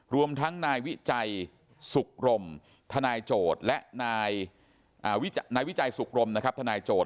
รวมทั้งนายวิจัยสุขรมทนายโจทย์และนายวิจัยสุขรมนะครับทนายโจท